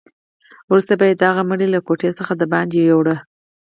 وروسته به یې دغه مړی له کوټې څخه دباندې یووړ.